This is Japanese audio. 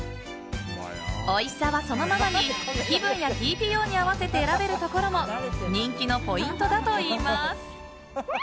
おいしさはそのままに気分やＴＰＯに合わせて選べるところも人気のポイントだといいます。